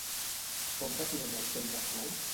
Com defineix el temps actual?